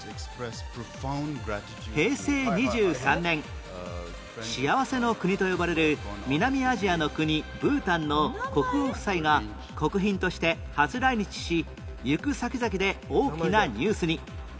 平成２３年幸せの国と呼ばれる南アジアの国ブータンの国王夫妻が国賓として初来日し行く先々で大きなニュースに